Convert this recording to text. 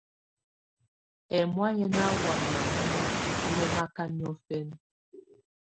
Ɛmɔ̀á yɛ́ ná wáyɛ̀á mɔ́na nɔ́maká niɔ̀fɛna.